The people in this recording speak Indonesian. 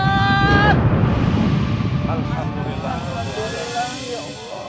anak ibu semasa hidupnya saya minta maaf bukan maksud saya